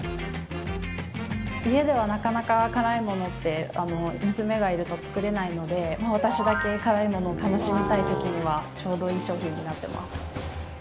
家ではなかなか辛いものって娘がいると作れないので私だけ辛いものを楽しみたい時にはちょうどいい商品になってます。